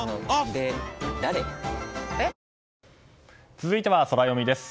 続いてはソラよみです。